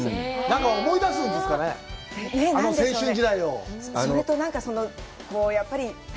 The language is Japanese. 何か思い出すんですかね。